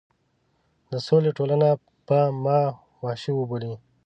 د سولې ټولنه به ما وحشي وبولي.